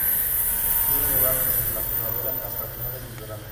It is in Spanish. Tiene lugar desde la primavera hasta finales del verano.